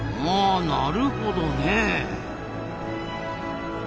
あなるほどねえ。